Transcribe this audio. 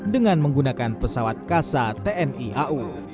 dengan menggunakan pesawat kasa tni au